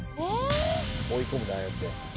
追い込むんだああやって。